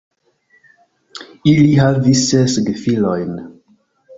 Ili havis ses gefilojn.